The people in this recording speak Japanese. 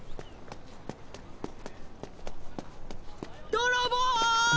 ・泥棒！